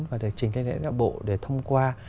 và được trình lãnh đạo bộ để thông qua